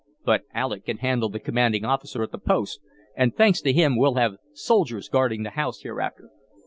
But Alec can handle the commanding officer at the post, and, thanks to him, we'll have soldiers guarding the house hereafter."